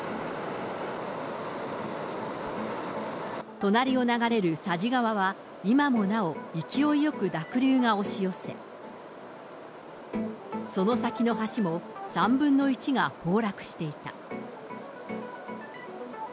隣を流れる佐治川は、今もなお、勢いよく濁流が押し寄せ、その先の橋も３分の１が崩落していた。